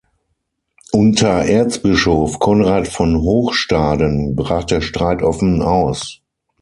Unter Erzbischof Konrad von Hochstaden brach der Streit offen aus.